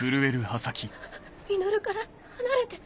稔から離れて。